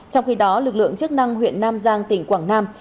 trong khi đó lực lượng chức năng huyện nam giang tỉnh quảng nam